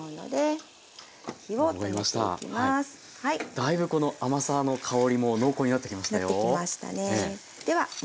だいぶこの甘さの香りも濃厚になってきましたよ。